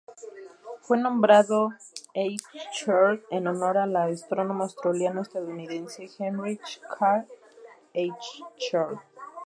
Fue nombrado Eichhorn en honor al astrónomo australiano estadounidense Heinrich Karl Eichhorn.